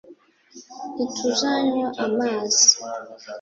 ntituzanywa amazi .